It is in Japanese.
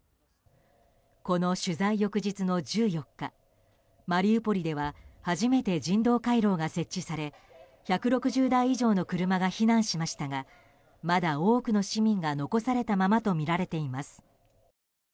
この取材翌日の１４日マリウポリでは初めて人道回廊が設置され１６０台以上の車が避難しましたがまだ多くの市民が残されたままとみられています。